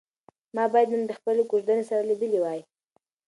ما باید نن د خپلې کوژدنې سره لیدلي وای.